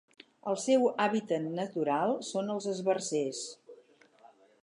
El seu hàbitat natural són els esbarzers.